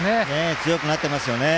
強くなってますよね。